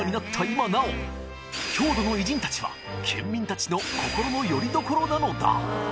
今なお郷土の偉人たちは県民たちの心の拠り所なのだ